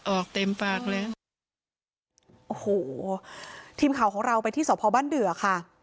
ออกเต็มปากเลยโอ้โหทีมข่าวของเราไปที่สพบ้านเดือค่ะ